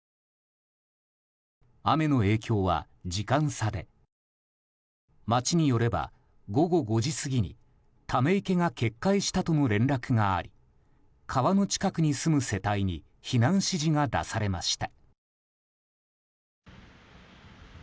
雨の影響は時間差で町によれば午後５時過ぎにため池が決壊したとの連絡があり川の近くに住む世帯に避難指示が出されました。